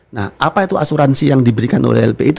nah apa itu asuransi yang diberikan oleh lp itu